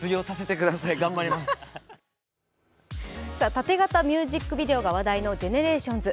縦型ミュージックビデオが話題のＧＥＮＥＲＡＴＩＯＮＳ。